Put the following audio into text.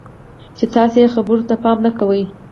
چې تاسې یې خبرو ته پام نه کوئ.